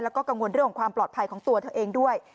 แล้วก็กังวลเรื่องของความปลอดภัยของตัวเธอเองด้วย